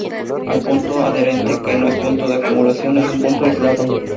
Un punto adherente que no es un punto de acumulación es un punto aislado.